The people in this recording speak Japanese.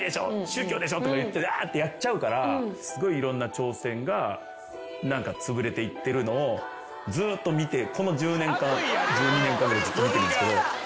宗教でしょ？とか言ってわってやっちゃうからすごいいろんな挑戦がつぶれていってるのをこの１０年間１２年間ぐらいずっと見てるんですけど。